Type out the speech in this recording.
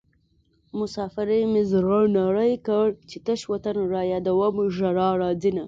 مسافرۍ مې زړه نری کړ چې تش وطن رايادوم ژړا راځينه